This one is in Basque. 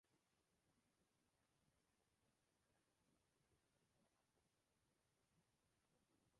Ikusleen esku utzi nahi du pieza honen esanahiaren interpretazioa.